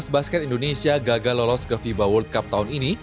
dua belas basket indonesia gagal lolos ke fiba world cup tahun ini